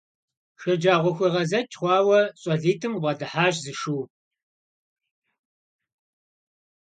ШэджагъуэхуегъэзэкӀ хъуауэ щӀалитӀым къабгъэдыхьащ зы шу.